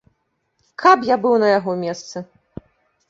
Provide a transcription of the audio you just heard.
Каб я быў на яго месцы!